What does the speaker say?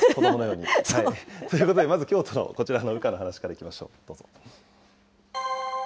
子どものように。ということでまずきょうはこちらの羽化の話からいきましょう、どうぞ。